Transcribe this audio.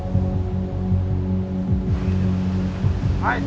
はい。